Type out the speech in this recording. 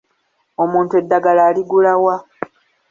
Omuntu eddagala aligula wa?